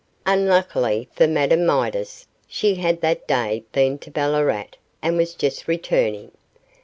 Unluckily for Madame Midas, she had that day been to Ballarat, and was just returning.